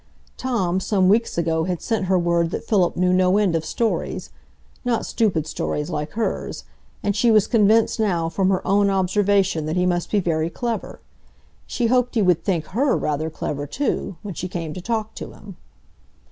Tom, some weeks ago, had sent her word that Philip knew no end of stories,—not stupid stories like hers; and she was convinced now from her own observation that he must be very clever; she hoped he would think her rather clever too, when she came to talk to him.